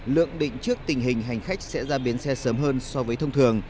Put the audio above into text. lượng định trước tình hình hành khách sẽ ra biến xe sớm hơn so với thông thường